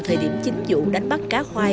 thời điểm chính vụ đánh bắt cá khoai